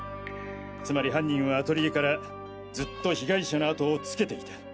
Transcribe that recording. つまり犯人はアトリエからずっと被害者の後をつけていた。